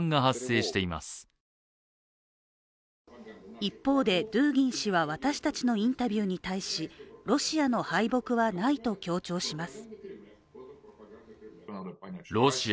一方でドゥーギン氏は私たちのインタビューに対しロシアの敗北はないと強調します。